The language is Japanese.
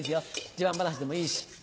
自慢話でもいいし。